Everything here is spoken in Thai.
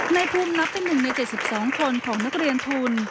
ในภูมินับเป็น๑ใน๗๒คนของนักเรียนทุน